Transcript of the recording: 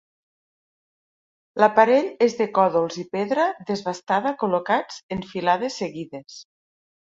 L'aparell és de còdols i pedra desbastada col·locats en filades seguides.